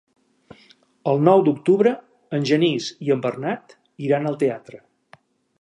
El nou d'octubre en Genís i en Bernat iran al teatre.